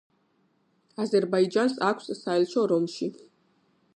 აზერბაიჯანს აქვს საელჩო რომში.